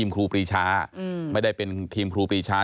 ก็ไม่รู้ว่าฟ้าจะระแวงพอพานหรือเปล่า